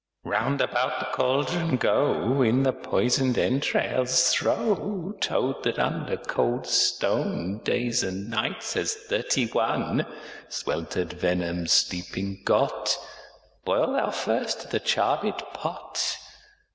First Witch Round about the cauldron go; In the poison'd entrails throw. Toad, that under cold stone Days and nights has thirty one Swelter'd venom sleeping got, Boil thou first i' the charmed pot.